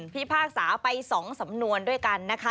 พิพากษาไป๒สำนวนด้วยกันนะคะ